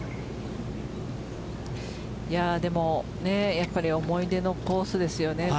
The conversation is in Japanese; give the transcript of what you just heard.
やっぱり思い出のコースですよね。